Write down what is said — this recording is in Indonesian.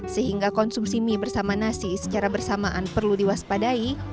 sehingga konsumsi mie bersama nasi secara bersamaan perlu diwaspadai